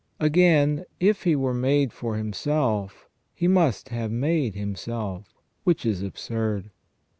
Again, if he were made for himself, he must have made himself, which is absurd.